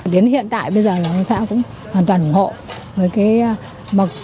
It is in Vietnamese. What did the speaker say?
đến hiện tại bây giờ là ông xã cũng hoàn toàn ủng hộ với cái mật